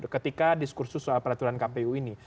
ketika diskursus soal peraturan kpu ini